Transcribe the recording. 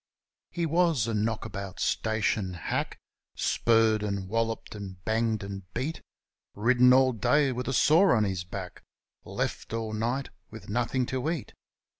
He was a knock about station hack, Spurred and walloped, and banged and beat; Ridden all day with a sore on his back. Left all night with nothing to eat.